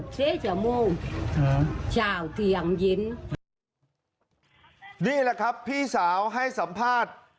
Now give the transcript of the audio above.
เธอทำยังไงบ้างไปดูครับ